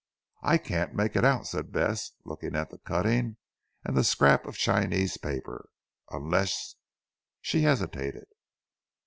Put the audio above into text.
"I can't make it out," said Bess looking at the cutting and the scrap of Chinese paper, "unless " she hesitated.